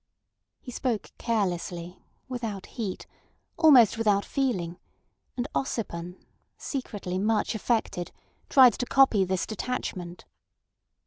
He spoke carelessly, without heat, almost without feeling, and Ossipon, secretly much affected, tried to copy this detachment.